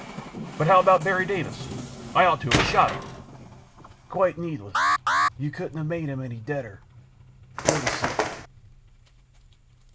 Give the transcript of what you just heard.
"But how about Berry Davis? I ought to have shot him." "Quite needless; you couldn't have made him any deader. Go to sleep."